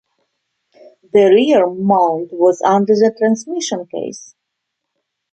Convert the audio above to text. The rear mount was under the transmission case.